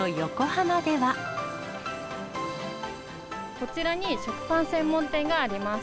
こちらに、食パン専門店があります。